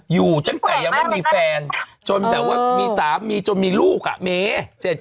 อยู่ตั้งแต่ยังไม่มีแฟนจนแบบว่ามีสามีจนมีลูกอ่ะเม